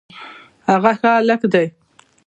هغه ښه هلک دی